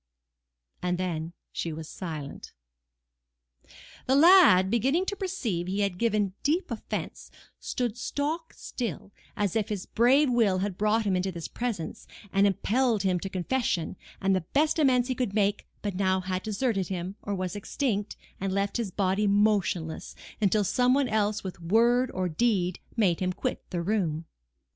And then she was silent. The lad, beginning to perceive he had given deep offence, stood stock still—as if his brave will had brought him into this presence, and impelled him to confession, and the best amends he could make, but had now deserted him, or was extinct, and left his body motionless, until some one else with word or deed made him quit the room.